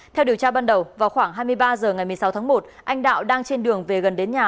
theo điều tra ban đầu vào khoảng hai mươi ba h ngày một mươi sáu tháng một anh đạo đang trên đường về gần đến nhà